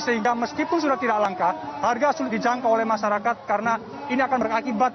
sehingga meskipun sudah tidak langka harga sulit dijangkau oleh masyarakat karena ini akan berakibat